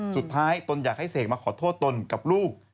ตนอยากให้เสกมาขอโทษตนกับลูก